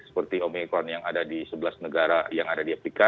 seperti omikron yang ada di sebelas negara yang ada di afrika